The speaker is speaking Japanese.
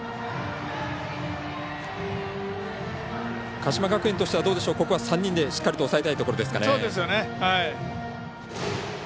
鹿島学園としては、ここは３人でしっかりと抑えたいところですね。